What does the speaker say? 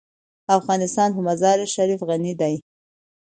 افغانستان په مزارشریف غني دی.